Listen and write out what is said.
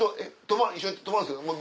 一緒に泊まるんですか？